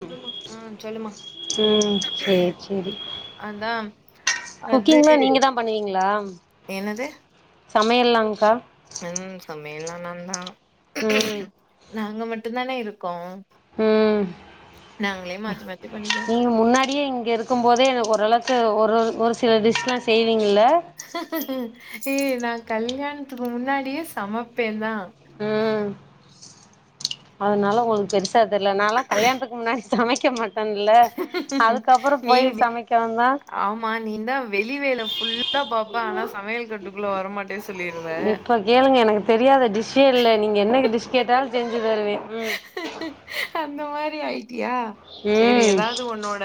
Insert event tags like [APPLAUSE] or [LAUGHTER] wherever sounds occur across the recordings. சொல்லுமா ஆ சொல்லுமா ம் சேரி சேரி அதா அது குக்கிங்லா நீங்க தா என்னது சமையல்லாங்கா மேலானந்தா ம் [UNINTELLIGIBLE] நாங்க மட்டுந்தானே இருக்கோ ம் மாத்தி மாத்தி பண்ணிக்கிறோம் நீங்க முன்னாடியே இங்க இருக்கும் போதே எனக்கு ஓரளவுக்கு ஒர் ஒரு ஒரு சில டிஷ் எல்லா செய்வீங்கள்ல ஏ நா கல்யாணத்துக்கு முன்னாடியே சமப்பேந்தா ம் அதனால உங்களுக்கு பெருஸ் சா தெர்ல நாலா கல்யாணத்துக்கு முன்னாடி சமைக்க மாட் டன்ல அதுக்கப்புறோ நீ போய் சமைக்க வந்தா கலிவேல ஃபுல்லா பாப்ப ஆனா சமையல் கட்டுக்குள்ள வரமாட்டே சொல்லிருவ இப்ப கேளுங்க எனக்கு தெரியாத டிஷ்ஷே இல்ல நீங்க என்னைக்கு டிஷ் கேட்டாலு செஞ் செஞ்சு தருவே ம் [UNINTELLIGIBLE] செரி ம் ஏதாவது உன்னோட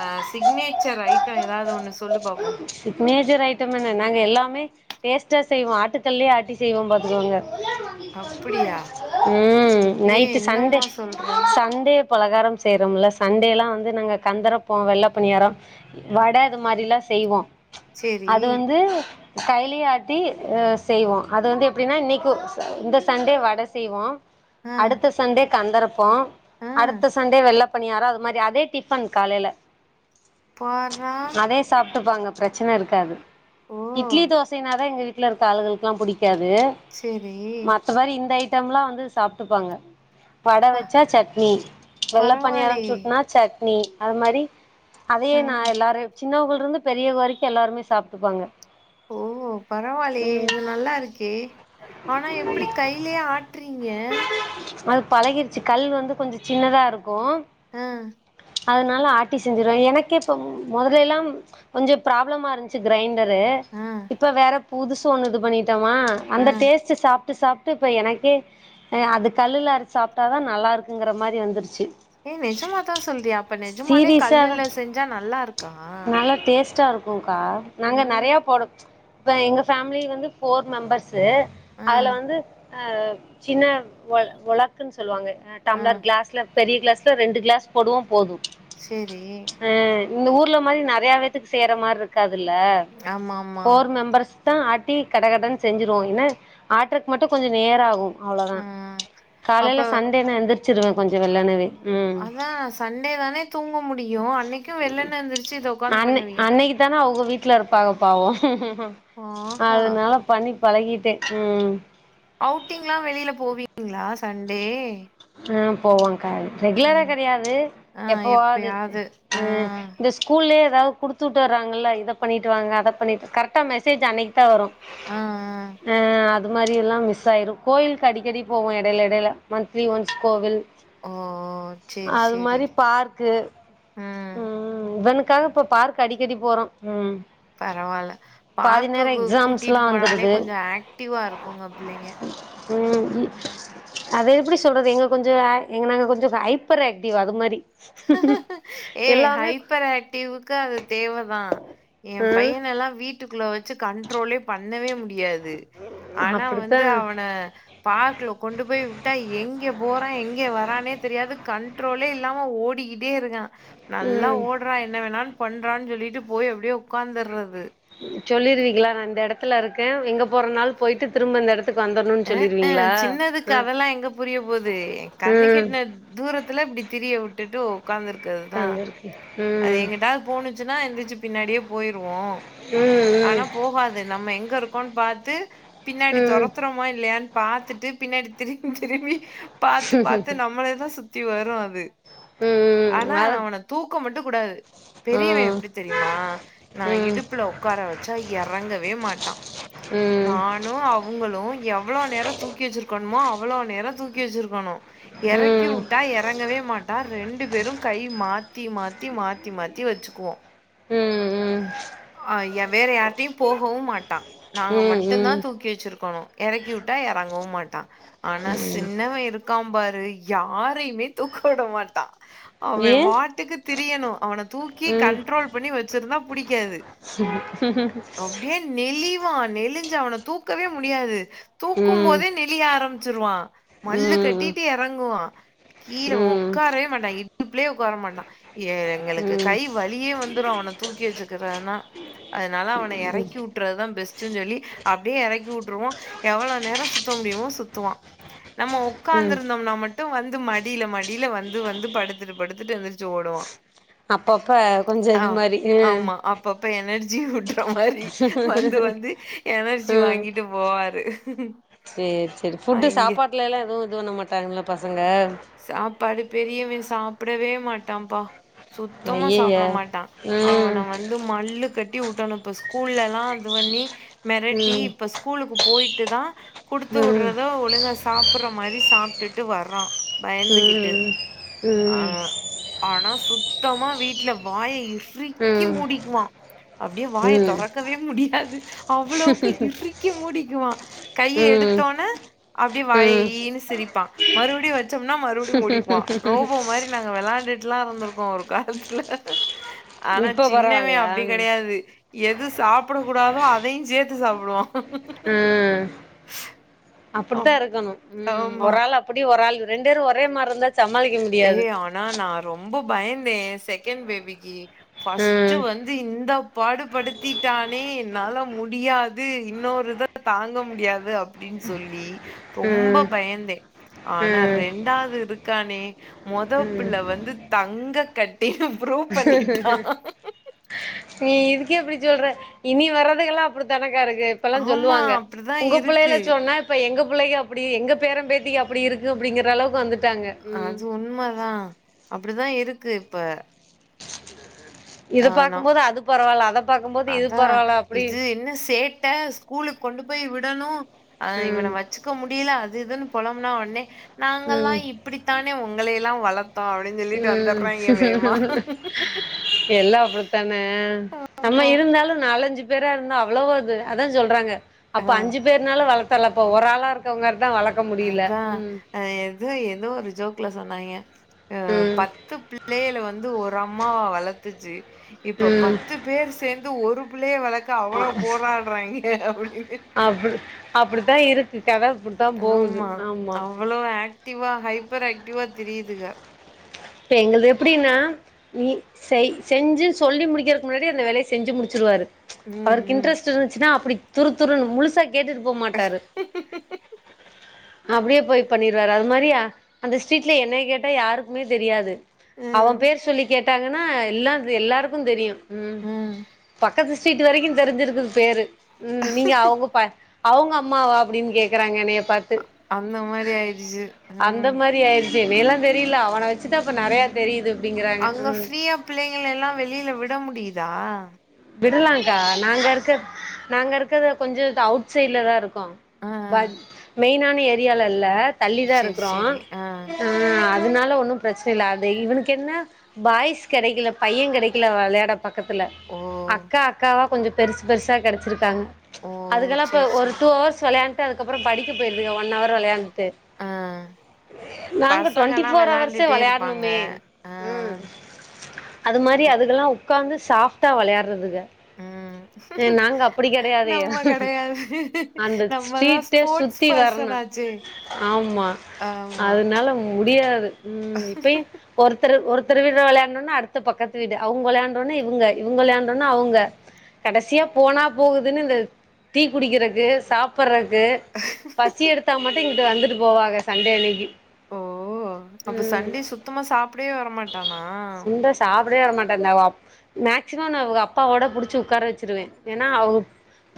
அ சிக்னேச்சர் ஐடி ஏதாவது ஒன்னு சொல்லு பாப்போ எத்தன ஐட்டம் என்ன நாங்க எல்லாமே டேஸ்டா செய்வோ ஆட்டுக்கல்லயே ஆட்டி செய்வோ பாத்துக்கோங்க அப்டியா உம் ஏ நைட்டு சண்டே என்னம்மா சொல்ற சண்டே பலகாரம் செய்றோம்ல சண்டே எல்லா வந்து நாங்க கந்தறப்போ வெள்ள பணியாரோ வட இது மாதிரில்லா செய்வோ சேரி அது வந்து கைலே ஆட்டி ஆ செய்வோ அது வந்து எப்டின்னா இன்னைக்கு இந்த சண்டே வட செய்வோ ஆ அடுத்த சண்டே கந்தறப்போ ஆ அடுத்த சண்டே வெள்ள பனியாரோ அது மாதிரி அதே டிஃபன் காலேல பார்றா சாப்ட்டுப்பாங்க பிரச்சன இருக்காது ஓ இட்லி தோசைனாதா எங்க வீட் வீட்ல இருக்குற ஆளுக்களுகெல்லா புடிக்காது இது சேரி மத்தபடி இந்த ஐட் டைம்ல்லா வந்து சாப்ட்டுப்பாங்க வட ப வச்சா சட்னி வெள்ள பனியாரோ பரவால்லயே சுட்னா சட்னி நீ அது மாதிரி அதயே ஆ நா எல்லாரையு சின்னவுங்களுக் இருந்து பெரியவங்க வரைக்கு எல்லாருமே சாப்ட்டுப்பாங்க ஓ பரவால்லயே ம் இது நல்லா இருக்கே ஆனா எப்டி கையிலயே ஆட்டுறீங்க அது பழகிருச்சு கல் வந்து கொஞ்சோ சின்னதா இருக்கு உம் அதனால ஆட்டி செஞ்சிருவே எனக்கே இப்ப மொதல்ல எல்லா கொஞ்சோ ப்ராப்ளமா இருந்துச்சு கிரைண்ட டரு ஆ இப்ப வேற புதுசு ஒன்னு இது பண்ணிட் ட்டமா ஆ அந்த டேஸ்ட் சாப் சாப்ட்டு சாப்ட்டு இப்ப எனக்கே அது கல்லுல அரிச் சாப்பிட்டாதா நல்லா இருக்குங்கிற மாரி வந்துருச்சு ஏ நெஜமாதா சொல்றியா அப்ப நெஜமாலே சீரியஸாதா கல்லுல செஞ்சா நல்லா இருக்கா நல்லா டேஸ்ட்டா இருக்கு க்கா நாங்க ம் நெறைய போடு ச் இப்ப எங்க ஃபேமிலி வந்து ஃபோர் மெம்பர்ஸ் ந்து ஆ அதுல வந்து அ சின்ன வொள் வொளக்குன்னு சொல்வாங்க அ ஆ டம்ளர் கிளாஸ்லப் பெரிய கிளாஸ்ல ரெண்டு கிளாஸ் போடுவோ போது செரி அ இந்த ஊர்ல மாரி நர் வேற பேத்துக்கு செய்ற மாரி இருக்காது இதில்ல ஆமா ஆமா ஃபோர் மெம்பர்ஸ் தா ஆட்டி கடகட செஞ்சிருவோ ஏனா ஆட்றக்கு மட்டு கொஞ்ச நேர ஆகு ஆ அவ்ளோதா அப்ப காலைல சண்டே ந எந்து வச்சுருவே கொஞ்ச வெள்ளனவே ம் அதா சண்டே தானே தூங்க முடியு அன்னைக்கு வெள்ளன்ன எந்திருச்சு இத வொக்காந் அண்ண அன்னைக் தான அவுங்க வீட்ல இருப்பாங்க பாவோ ம் ஆஹா அதனால பண்ணிப் பழகிட்டே ம் அவுட்டிங்ல்லா வெளியில போவீங்களா சண்டே ஆ போவாங்க க ரெகுலரா ம் கெடையாது ஆ எப்போவாது எப்பயாவது ஆ இந்த ஸ்கூல்லயே அதாது குடுத்துட்டோர்றாங்கள இத பண்ணிட்டு வாங்க அத பண்ணிட்டு கரெக்ட்டா மெசேஜ் அனைக் த்த வரு ஆ ஆ அ அது அது மாரி எல்லா மிஸ் ஆயிரு கோயிலுக் அடிக்கடி போவோ எடைல எடைல மந் லீவ் ஒன்ஸ் கோவில் ஓஓ சேரி அது சேரி மாரி பார்க்கு ம் காக இப்ப பார்க் அடிக்கடி போறோம் ம் பரவால்ல பாதி பார்க்கு நேரோ எக்ஸாம்ஸ்லா கூட்டிட்டு போனாலே வந்துருது கொஞ்ச ஆக்டிவா இருக்குங்க புள்ளைங்க ம் அது எப்டி சொல்றது எங்க கொஞ்ச எங்க நாங்க கொஞ்ச ஹைப்பர் ஆக்டிவ் அது மாரி ஏ எல்லாமே ஹைப்பர் ஆக்டிவ்க்கு அது தேவைதா ஏ ஆ பையன் எல்லாம் வீட்டுக்குள்ள வச் சு கண்ட்ரோல்லே பண்ணவே மு முடியாது ஆனா அப்டித்தா வந்து அவனை பார்க்ல கொண்டு போய் உட்டா எங்க போறான் எங்க வரானே தெரியாது கண்ட்ரோலே நாம ஓ டி கிட்டே இருக்கான் நல்லா ம் ஓடுறான் என்ன வேணாலு பண்றான்னு சொல்லிட்டு போய் அப்டியே ஒக்காந்துறது [INAUDIBLE] சொல்லிருவீங்களா நா இந்த எடத்துல இருக்கேன் எங்க போற நாளு போயிட்டு திரும்ப அந்த எடத் அ ஆ சின்னதுக்கு அதெல்லா எங்க புரிய போது ஏ கண்ணு ம் எட்ன தூரத்துல இப்டி திரிய உட்டுட்டு ஒக் உக்காந்து இருக்கிறது தான் உக்காந்துருக்கு அது எங்கிட்டாது போணுச்சுன்னா எந்திச்சு பின்னாடியே போயிருவோம் ம் ஆனா போகாது நம்ம எங்க இருக் கோண் பாத்து ம் ம் பின்னாடி ம் தொரத் துல யான்னு பாத்துட்டு பின்னாடி திரும்பி திரும்பி பாத்து பாத்து நம்மளேதான் சுத் தி வரும் அது ம் ஆனா அத அவன தூக்க மட்டு கூடாது ம் ம் பெரியவன் எப்டி தெரியுமா நா ம் ம் இடுப்புல உக்கார வச்சா எறங்கவே மாட்டான் ம் ம் ம் நானு அவுங்களு எவ்ளோ நேரம் தூக்கி வச்சுருக்கணுமோ அவ்ளோ நேரம் தூக்கி வச்சுருக்கணு எறக்கி உட்டா எறங்கவே மாட்டான் ரெண்டு பேரும் கை மாத்தி மாத்தி தி மாத்தி மாத்தி வச்சுக்குவோம் ஆ வேற யாரிட்டயும் போகவு மாட்டான் நாங்க ம் மட்டுந்தான் தூக்கி வச்சுருக்கணு எறக்கிவுட்டா எறங்கவும் மாட்டான் ஆனா சின்னவே இருக்கான் பார் து யாரையுமே தூக்க விடமாட்டா அவே ஏ வாட்டுக்கு தரியணு அவனத் தூக்கி ம் ம் கண்ட்ரோல் பண்ணி வச் ச்சிருந்தா புடிக்காது அப்பிடியே நெலி வா நெலிஞ்ச அவன தூக்கவே முடியாது தூக்கும் போத நெல ஆரம்ப ச்சிருவா ம் மல்லு ம் கட்டிட்டு எறங்குவா கீழ ம் உக்காரவே மாட்டா இடுப்புலே குவாரமாட்டா ஏ எங்களுக்கு கை வழியே வந்துரு அவன தூக்கி வச்சிக்கிறனா அதனால அவன எறக்கிவுட்டுறதா பெஸ்ட் ச்சு சொல்லி அப்பிடியே எறக்கிவுட்டுருவோ எவ்வள நேரோ சுத்த முடியுமோ சுத்துவா நம்ம ம் உக்காந்ருந்தோம்னா மட்டு வந் ந்து மடியில மடியில வந்து வந்து படுத்துட்டு படுத்துட்டு எந்திரிச்சி ஓடுவா அப்பப்ப கொஞ்ச இது மாரி ம் ஆமா அப்பப்ப எனர்ஜிவுட்டற மாரி வந்து வந்து எனர்ஜி ம் வாங்கிட்டு போவாரு சேரி சேரி நா ஃபுட்டு இங்க ங்க சாப்பாடு பெரியவே சாப் ப்படவே மாட்டாப்பா சுத்தமா ஐயய்ய சாப்பிடமாட்டா ம் அவன வந்து மல்லு கட் ட்டி உட்டணு இப்ப ஸ்கூல்ல எல்லா அது வண்ணி மெரட்டி ம் இப்ப ஸ்கூலுக்கு போயி ட்டு தா ம் குடுத்துவுடறத ஒழுங்க சாப்பற மாரி சாப்பிட்டுட்டு வர்றா எந்துக்கிட்டு ம் ஆ ம் ஆனா சுத்தமா மா வீட்ல வாய இரு இறுக்கி ம் மூடிக்குவா அப்டியே வாய ம் தொறக்கவே முடியாது அவ்வளவுக்கு இறுக்கி மூடிக்குவா கைய ம் எடுத்தோனே அப்டியே வாய ம் ஈன்னு சிரிப்பா மறுபடியு வ முடிச்சோம்னா மறுபடி மூடிக்குவா ரோபோ மாரி நாங்க வெளயாண்டுட்டு எப்டில்லா இருந்திருக்கோ ஒரு காலத்துல ஆனா இப்ப சின்னவே பரவால்லையா அப்டி கெடயாது எது சாப்டக் கூடாதோ அதையு சேத்து சாப்டுவா உம் அப்டித்தா இருக்கணு உம் ஆமா. ஒரு ஆள் அப்படி ஒரு ஆள் ரெண்டுருமே ஒரே மாரி இருந்தா சமாளிக்க ஏ முடியாது ஆனா நா ரொம்ப பயந்தே செகண்ட் பேபிக்கு ஃபஸ்ட்டு ம் வந்து இந்த பாடுபடுத்திட்டானே என்னால முடியாது இன்னொரு தா தாங்க முடியாது அப்டின்னு சொல்லி ரொம்ப ம் பயந்தே ஆனா ம் ரெண்டாவது இருக்கு இருக்கானே ம் மொதப்புள்ள வந்து தங்க கட் ப்ரூவ் பண்ணிட்டா நீ இதுக்கே இப்டி சொல்ற இனி வர்றதுகல்லா அப்டி தானங் இருக்கு இப்பெல்லா ஆமா சொல்லுவாங்க அப்படிதான் உங்க புள்ளேள இருக்கு சொன்னா இப்ப எங்க புள் உங்க பிள்ளைய அப்டி எங்க பேரம் பேத்தி அப்டி இருக்கு அப்டிங்கிற அளவுக்கு வந்து அது உண்மதா அப்டிதா இருக்கு இருக்கு இப்ப ச [INAUDIBLE] இத ஆஹ் நான் பாக்கும்போது அது பரவால்ல அத பாக்கும் போது இது பரவால்ல அப்டி ட்ட ஸ்கூலுக்கு கொண்டு போய் விடணு ஆ இவன ம் வச்சுக்க முடியல அது இதுன்னு பொலம்னா ஒடனே நாங்கல்லா ம் இப்டித்தானே ஒங்களையு எல்லா வளர்த் தோ அப்டின்னு சொல்லிட்டு ம் வந்துர்றாங்க வேமா எல்லா அப்டித்தானே நம்மா இருந்தாலு நா நாலஞ்சு பேரா இருந்தா அவ்வளவோது அதா சொல்றாங்க ஆ அப்ப அஞ்சு பேருன்னாள வளப் தலபோ ஒரு ஆளா இருக்கவங்க அதாஆ எது ஏதோ ஒரு ஜோக்ளா சொன்னாங்ய அ ம் பத்து பிள்ளைல வந்து ஒர் ஓரொம்மாவா வளத்துச்சு இப்ப ம் பத்து பேர் சேந்து ஒருப் புள்ளைய வளக் க அ அவ்வளோ போராடுறாய்ங்க அப்டின்னு அப்டிதா இருக்கு கத அப்படித்தா போகுது ஆமா அவ்வளோ ஆக்டிவா ஹைப்பர் ஆக்டிவா திரியுதுக இப்ப எங்கது எப்படின்னா நீ செய் செஞ்சு சொல்லி முடிக்கிறதுக்கு முன்னாடி அந்த வேலைய செஞ்சு முடிச்சிருவாரு ம் அவருக்கு ம் இன்ட்ரெஸ்ட் இருன்ச்சுனா அப்டி துரு துருனு முழுசாக் கேட்டுட்டு போ மாட்டாரு அப்டியே போய் பண்ணிருவாரு அது மாரியா அந்த ஸ்ட்ரீட்லல என்னய கேட்டா யாருக்குமே தெரியாது அவ ம் பேர் சொல்லி கேட்டாங்கன்னா எல்லா எல்லாருக் குந்தெரியு உ க்கத்து ஸ்ட்ரீட் வரைக்கு தெரிஞ்சிருக்குது பேரு உ நீங்க அவுங்க பாய் அவுங்க அம்மாவா அப்டின் கேக்குறாங்க என்னய அந்த மாரி ஆயிருச்சு உ என்னயலா தெரியல அவன வச் ச்சுதா ப்ப நரயாத் அங்க ஃப்ரியா பிள்ளைங்கலலா வெளில விட முடியுது தா விடலாங்கா நாங்க இருக்க நாங்க இருக்கத கொஞ்ச அவுட் சைட்ல தா இருக்கோ ஆ பட மெயினான ஏரியாலல தள்ளி தா சேரி இருக்குறோ சேரி ஆ அதனால ஒன்னும் பிரச்சன இல்ல அது இவனுக்கு என்ன பாய்ஸ் கெடைக்கல பைய கெடைக்கல வெளாட பக்கத்துல ஓ அக்காவா கொஞ்சோ பெருசு பெருசா கெடச்சுருக்காங்க ஓ அதுகெல்லா இப்ப சேரி ஒரு சேரி டூ அவர்ஸ் வெளயாண்ட்டு அதுக்கப்றோ படிக்க போயிருதுக ஒன் அவர் வெளயான் ஆ நாங்க ட்வெண்டி பசங்கன்னா ஃபோர் அவர்சும் வெளாண்டுட்டே இருப்பாங்க வெளயாடணுமே ஆ உம் அது மாரி அதுக் அதுகெல்லா ஒக்காந்து சாஃப்டா வெளயாடுறது அதுக ம் நாங்க அப்டி கெடயாதே நம்ம கெடையாது அந்த நம்மதா ஸ்ட்ரீட்ட ஸ்போர்ட்ஸ் சுத்தி பர்சன் வரணு ஆச்சே ஆமா ஆமா அதனால முடியாது ம் இப்பயு ஒருத்தர் ஒரு ஒருத்தர் வீட்ல வெளயாண்ட ஒடனே அடுத்த பக்கத்து வீடு அவுங்க வெளயாண்ட ஒடனே இவுங்க வெளயாண்ட அவுங்க கடைசியா போனா போகுதுன்னு இந்த டீ குடிக்குறதுக்கு சாப்டறதுக்கு பசி எடுத்தா மட்டு இங்குட்டு வந்துருது போவாக சண்டே அன்னைக்கி ஓ அப்போ சண்டே சுத்தமா சாப்பிடவே வரமாட்டானா அப்டியே வர மாட்டாங்க மேக்சிம நா அவுங்க அப்பாவோட புடிச்சு ஒக்கார வச்சுருவே ஏன்னா அவுக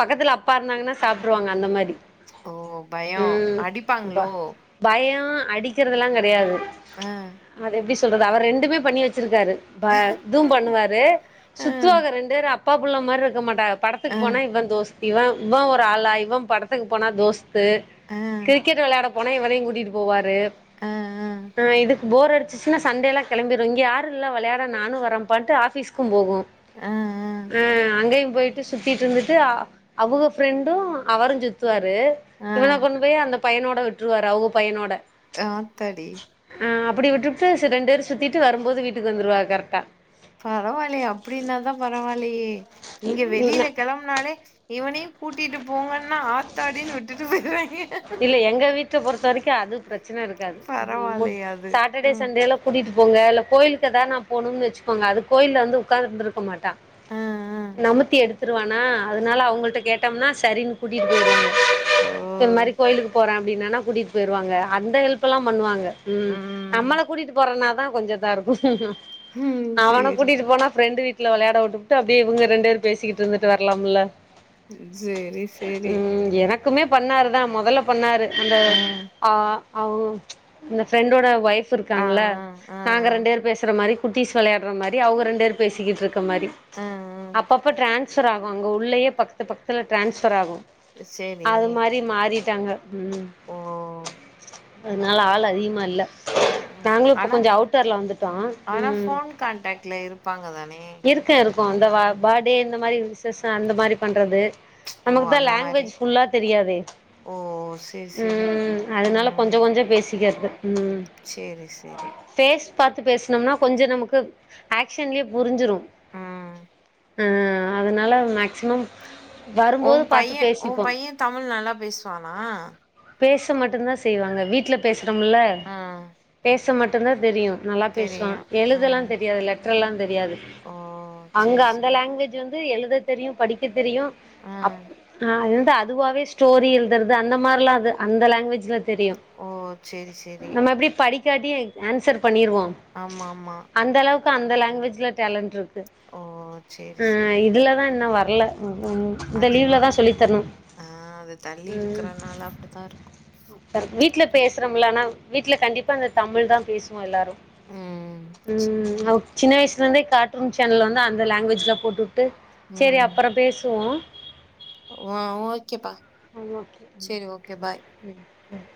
பக்கத்துல அப்பா இருந்தாங்கன்னா சாப்டுருவாங்க அந்த மாரி ஓ பயோ அடிப்பாங்களோ ஆ அடிக்கிறது லா கெடயாது ஆ சொல்றது அவ ரெண்டுமே பண்ணி வச்சி இருக்காரு இதுவு பண்ணுவாரு அ, சுத்துவாக ரெண்டு பேரு அப் அப்பா புள்ள மாரி இருக்க மாட்டாக படத்துக்கு அ, போனா இவன் தோஸ் இவ இவ ஒரு ஆளா இவ படத்துக்கு போனா தோஸ் து அ, கிரிக்கெட் வெளயாட போனா இவனையு கூட்டிட்டு போவாரு அ, அ, ஆ இது போர் அடிச்சிச் சினா சண்டேலாம் கெளம்பிரும் இங்க யாரு இல்ல வெளையாட நானும் வரப்பான்ட்டு ஆபிஸ்கும் போகும் அ, அ, ஆ அங்கேயு போயிட்டு சுத்திட்டு இருந்துட்டு அவுக பிரெண்டும் அவருஞ் சுத்துவாரு அ. து இவன கொண்டு போயி அந்த பயனோட விட்ருவாரு அவுங்க பையனோட ஆத்தாடி ஆ அப்டி விட்டு ட்டு ரெண்டு பேரும் சுத்திட்டு வரும்போது வீட்டுக்கு வந்துவா கரெட்டா பரவாயில்லையே அப்டின்னா தா பரவாயில்லையே இங்க வெளியில ம் கெளம்பனாலே இவனையும் கூட்டிட்டு போங்கன் ன்னா ஆத்தாடினு விட்டுட்டு போயிருவாங்க ட பொறுத்த வரைக்கும் அது பிர ச்சன இருக்காது போ பரவாயில்லயே அது. சாட்டடே ம். சண்டேல கூட்டிட்டு போங்க கோயிலுக்குதா நா போனுன்னு வச்சிக்கோங்க அது கோயில வந்து உக்காந்துருக்க மாட்டா அ, அ. நமுத்தி எடுத்துருவானா அதனால அவங்கள்ட்ட கேட்டம்னா சரினு குடி [INAUDIBLE] ஓ! இந்த மாரி கோயிலுக்கு போறே அப்டின்னானா கூட்டிட்டு போயிருவாங்க அந்த ஹெல்ப்லாம் பண்ணுவாங்க ம் நம்மள கூட்டிட்டு போற இன்னா தா கொஞ்சோ இதா இருக்கும் ம். அவன சேரி, கூட்டிட்டு போனா ப்ரெண்டு வீட் ல வெளையாட உட்டுபுட்டு அப்டே இவங்க ரெண்டு பேர் பேசிக்கிட்டு இருந்துட்டு வரலாம் இல்ல செரி ம் எனக் குமே பண்ணாருதா மொதல்ல பண்ணாரு அந்த அ. ஆ அவுங்க இந்த ஃப்ரெண்டோட ஒய்ஃப் ஆ இருக்காங்க இல்ல ஆ ஆ நாங்க ரெண்டு பேர் பேசற மாரி குட்டிஸ் வெளையாடுற மாரி அவுங்க ரெண்டு பேரு பேசிக்கிட்டு இருக் க மாரி ஆ அப்பப்ப டிரான் ஸ்சர் ஆகும் அங்க உள்ளயே பக்கத்து பக்கத்துல ட்ரான்ஸ் சராகும் ஆ சேரி அது மாரி மாறி ட்டாங்க ம் ஓ அதனால ஆள் அதிகமா இல்ல ம் நாங்களு இப்ப ஆனா கொஞ்சோ அவுட்டர்ல வந்துட்டோ ஆனா ம் ஃபோன் கான்டேக்ட்ல இருப்பாங்க தானே இப்போ அந்தவா பாட்டே இந்த மாரி விசேஷோ அந்த மாரி பண்றது ஓ நமக்குதா அந்த மாரி லேங்குவேஜ் ஃபுல்லா தெரியாதே ஓ சேரி சேரி ம் அதனால ம் கொஞ்சோ கொஞ்சோ பேஸ் [INAUDIBLE] சேரி சேரி பாத்து பேசுனோம்னா கொஞ்சோ நமக்கு ஏக்ஷன்லயே புருஞ்சிரும் ம் ஆ அதனால மேக்சிமம் வரும்போது உம் பாத்து பைய உம் பேசிப்போ பைய தமிழ் நல்லா பேசுவானா பேச மட்டுந்தா செய்வாங்க வீட்ல பேஸ் ரும்முல்ல ம் பேஸ் ஸ்ச மட்டுந்தா தெரியு நல்லா பேசுவா தெரியு எழுதெல்லாந் ம் தெரியாதுல்ல ற்றலன் தெரியாது ஓ அங்க சேரி அந்த சேரி லேங்குவேஜ்ஜு வந் ந்து எழுத தெரியு படிக்க தெரியு அப் ம் ஆ இது ட்டு அதுவாவே ஸ்டோரி எழுதுறது அந்த மாரிலா அது அந்த லேங்குவேஜ்ல தெரியு ஓ சேரி சேரி நம்ம எப்டி படிக் தோட்டி ஏன்சர் பண்ணிருவோ ஆமா ஆமா அந்த அளவு கு அந்த லேங்குவேஜ்ல டேலண்ட் இருக் குது ஓ சேரி ம் இதுலதா இன்னு வர் வர்ல ம்க்ம் அது வ ஆ அது தள்ளி ம் இருக்கறனால அப்டித்தா இருக்கு வீட்ல பேசுறோம்ல ஆனா வீட்ல கண்டிப்பா அந்த தமிழ்தா பேசுவோ எல்லாரு ம் சேரி ம் ஓக் சின்ன வயசுலருந்தே கார்டூன் சேனல் வந்து அந்த லேங்குவேஜ்ல போட்டுட் டு சேரி அப்பறோ பேசுவோ அ ஓகேப்பா ஆ ஓகே ம் சேரி ஓகே பா ம் ம்